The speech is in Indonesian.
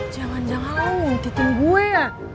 jangan jangan lu nguntitin gue ya